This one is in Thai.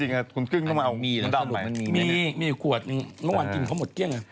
คือนาเดชเขาถอดหน้ายายอย่างนี้มาพูดเป็นนาเดชใช่ไหม